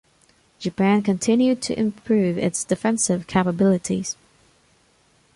Japan continued to improve its defensive capabilities.